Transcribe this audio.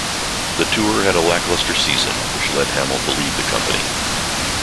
The tour had a lackluster season which led Hamill to leave the company.